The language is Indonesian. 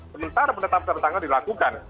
sementara penetapan tersangka dilakukan